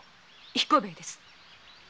彦兵衛です。